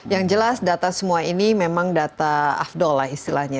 yang jelas data semua ini memang data afdol lah istilahnya